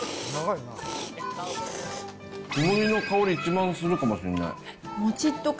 小麦の香り、一番するかもしれない。